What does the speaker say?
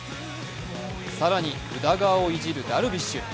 更に宇田川をいじるダルビッシュ。